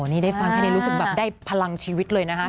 นี่ได้ฟังแค่นี้รู้สึกแบบได้พลังชีวิตเลยนะคะ